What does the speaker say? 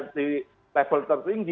jadi level tertinggi